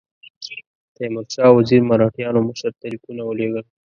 تیمورشاه وزیر مرهټیانو مشر ته لیکونه ولېږل.